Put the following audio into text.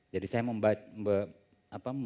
jadi saya mau menjadi anggota perpustakaan di semua